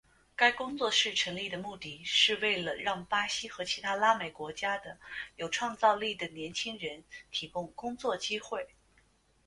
该工作室成立的目的是为了让巴西和其他拉美国家的有创造力的年轻人提供工作机会。